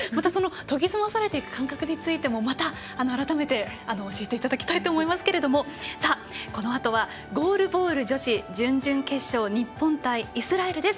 研ぎ澄まされていく感覚についてもまた改めて教えていただきたいと思いますけどこのあとはゴールボール女子準々決勝、日本対イスラエルです。